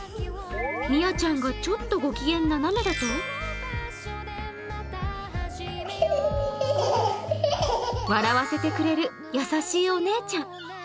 みあちゃんがちょっとご機嫌斜めだと笑わせてくれる優しいお姉ちゃん。